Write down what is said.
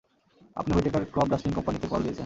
আপনি Whitaker crop dusting কোম্পানিতে call দিয়েছেন।